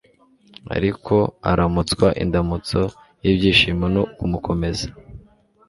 Ariko aramutswa indamutso y'ibyishimo no kumukomeza,